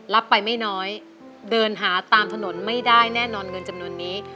รับไปไม่น้อยเดินหาตามถนนไม่ได้แน่นอนเงินจำนวนนี้